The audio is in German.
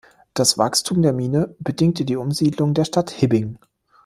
Das Wachstum der Mine bedingte die Umsiedlung der Stadt Hibbing.